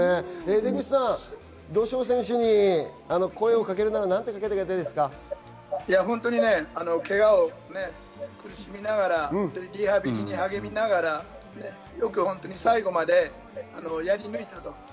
出口さん、土性選手に声をかけるなら、何て声をかけたけがに苦しみながらリハビリに励みながら、よく最後までやり抜いたと。